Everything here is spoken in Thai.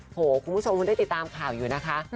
คุณผู้ชมได้ติดตามข่าวอยู่นะคะ